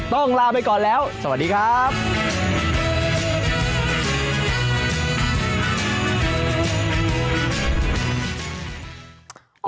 ลาไปก่อนแล้วสวัสดีครับ